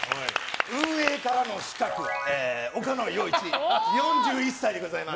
運営からの刺客岡野陽一、４１歳でございます。